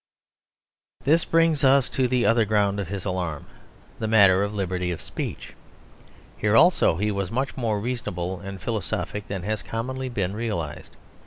This brings us to the other ground of his alarm the matter of liberty of speech. Here also he was much more reasonable and philosophic than has commonly been realised.